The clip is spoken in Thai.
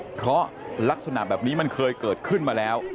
เพราะลักษณะแบบนี้มันเคยเกิดขึ้นมาแล้ว